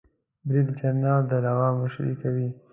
بریدجنرال د لوا مشري کوي